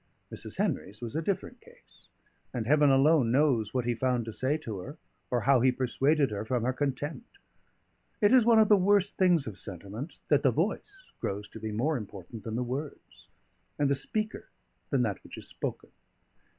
Mrs. Henry's was a different case; and Heaven alone knows what he found to say to her, or how he persuaded her from her contempt. It is one of the worst things of sentiment, that the voice grows to be more important than the words, and the speaker than that which is spoken.